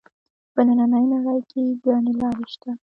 په نننۍ نړۍ کې ګڼې لارې شته